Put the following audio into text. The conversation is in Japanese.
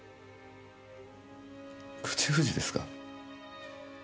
口封じですか？